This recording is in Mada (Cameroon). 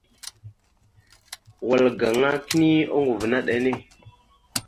Wal gaŋa kini oŋgov naɗ enne.